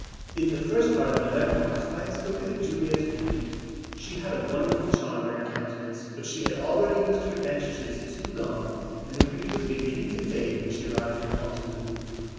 In the first part of my Memoirs I have spoken of Juliette's beauty; she had a wonderful charm in her countenance, but she had already used her advantages too long, and her beauty was beginning to fade when she arrived in Fontainebleau.